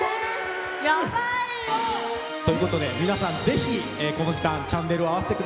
やばいよ！という事で皆さんぜひこの時間チャンネルを合わせてください。